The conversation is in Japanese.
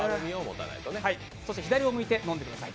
そして左を向いて飲んでください。